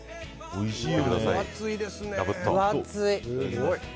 おいしい！